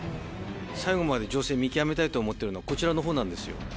最後まで情勢見極めたいと思ってるのは、こちらのほうなんですよ。